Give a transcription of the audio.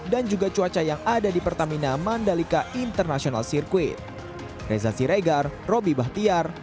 dan juga cuaca yang ada di pertamina mandalika international circuit